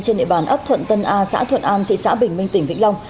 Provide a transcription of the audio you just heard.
trên địa bàn ấp thuận tân a xã thuận an thị xã bình minh tỉnh vĩnh long